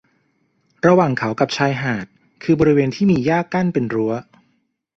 ระหว่างเขากับชายหาดคือบริเวณที่มีหญ้ากั้นเป็นรั้ว